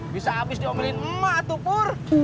bisa abis diomelin emak tuh pur